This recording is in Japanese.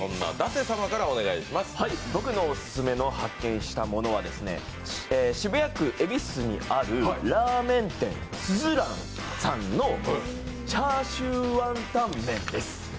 僕のオススメの発見したものは渋谷区恵比寿にあるラーメン店すずらんさんの叉焼雲呑麺です。